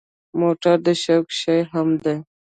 موټر د شوق شی هم دی.